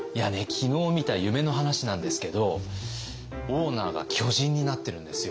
昨日見た夢の話なんですけどオーナーが巨人になってるんですよ。